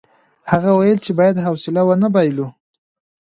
هغه وویل چې باید حوصله ونه بایلو.